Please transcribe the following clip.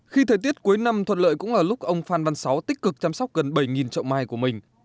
khi thời tiết cuối năm thuận lợi cũng là lúc ông phan văn sáu tích cực chăm sóc gần bảy chậu mai của mình